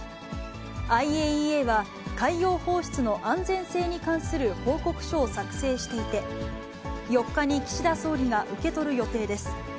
ＩＡＥＡは海洋放出の安全性に関する報告書を作成していて、４日に岸田総理が受け取る予定です。